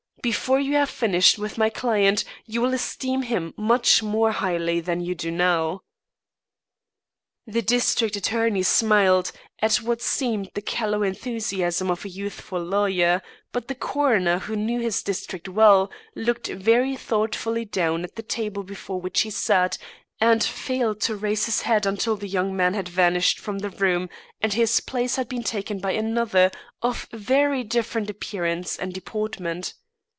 Before you have finished with my client, you will esteem him much more highly than you do now." The district attorney smiled at what seemed the callow enthusiasm of a youthful lawyer; but the coroner who knew his district well, looked very thoughtfully down at the table before which he sat, and failed to raise his head until the young man had vanished from the room and his place had been taken by another of very different appearance and deportment.